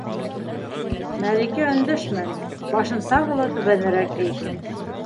Мәликә өндәшмәне, башын тағы ла түбәнерәк эйҙе.